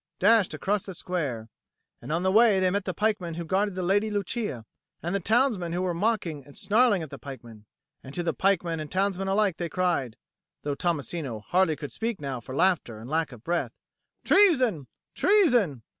dashed across the square; and on the way they met the pikemen who guarded the Lady Lucia, and the townsmen who were mocking and snarling at the pikemen; and to pikemen and townsmen alike they cried (though Tommasino hardly could speak now for laughter and lack of breath), "Treason, treason!"